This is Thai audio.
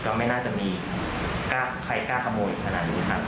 ไม่น่าจะมีใครกล้าขโมยขนาดนี้ครับ